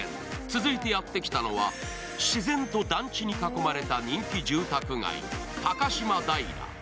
続いてやってきたのは、自然と団地に囲まれた人気住宅街、高島平。